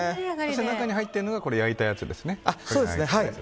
中に入ってるのが焼いたやつですね。